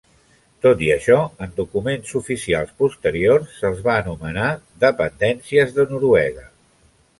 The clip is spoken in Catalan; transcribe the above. Tot i això, en documents oficials posteriors se'ls va anomenar "dependències de Noruega".